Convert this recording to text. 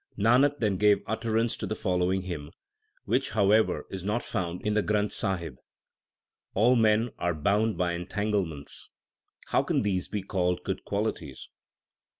Nanak then gave utterance to the following hymn, which, however, is not found in the Granth Sahib : All men are bound by entanglements ; how can these be called good qualities